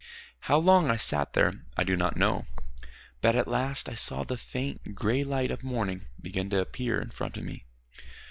How long I sat there I do not know; but at last I saw the faint gray light of morning begin to appear in front of me.